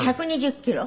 １２０キロ？